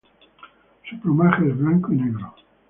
Su plumaje es blanco y negro.